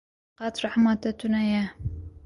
Qet rehma te tune ye.